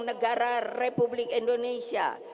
negara republik indonesia